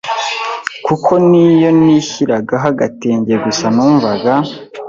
kuko n’iyo nishyiragaho agatenge gusa numvaga